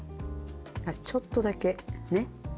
ちょっとだけ。